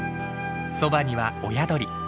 そばには親鳥。